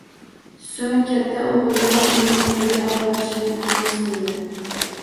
Soʻng katta oʻgʻildan uni umraga oborishini iltimos qildi.